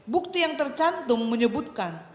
bukti yang tercantum menyebutkan